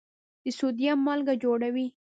د سوډیم مالګه جوړوي.